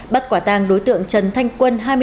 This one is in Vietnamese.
bắt quả tàng đối tượng trần thanh quân